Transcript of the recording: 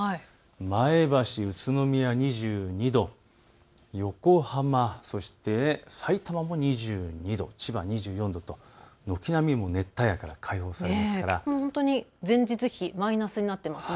前橋、宇都宮２２度、横浜、さいたまも２２度、千葉、２４度、軒並み熱帯夜から解放されます。